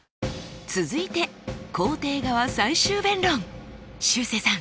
続いて肯定側最終弁論しゅうせいさん。